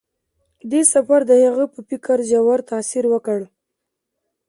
دې سفر د هغه په فکر ژور تاثیر وکړ.